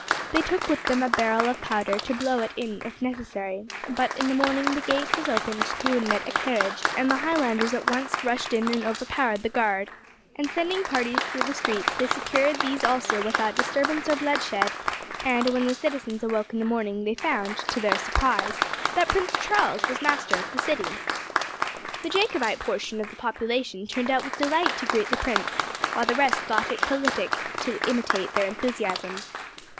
They took with them a barrel of powder to blow it in if necessary; but in the morning the gate was opened to admit a carriage, and the Highlanders at once rushed in and overpowered the guard, and sending parties through the streets they secured these also without disturbance or bloodshed, and when the citizens awoke in the morning they found, to their surprise, that Prince Charles was master of the city. The Jacobite portion of the population turned out with delight to greet the prince, while the rest thought it politic to imitate their enthusiasm.